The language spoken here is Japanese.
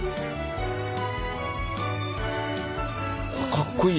かっこいい。